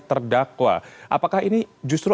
terdakwa apakah ini justru